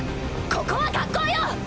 ここは学校よ！